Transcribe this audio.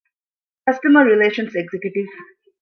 ކަސްޓަމަރ ރިލޭޝަންސް އެގްޒެކެޓިވް